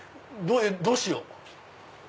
どうしよう？